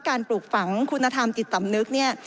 ปลูกฝังคุณธรรมจิตสำนึกเนี่ย